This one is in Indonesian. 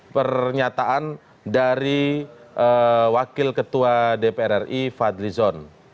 pernyataan dari wakil ketua dpr ri fadlizon